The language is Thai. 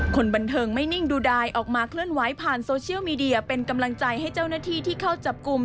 คนบันเทิงไม่นิ่งดูดายออกมาเคลื่อนไหวผ่านโซเชียลมีเดียเป็นกำลังใจให้เจ้าหน้าที่ที่เข้าจับกลุ่ม